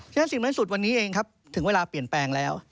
ฉะสิ่งในสุดวันนี้เองครับถึงเวลาเปลี่ยนแปลงแล้ว